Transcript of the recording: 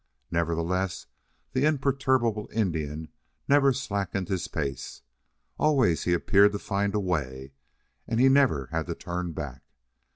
Nevertheless the imperturbable Indian never slacked his pace. Always he appeared to find a way, and he never had to turn back.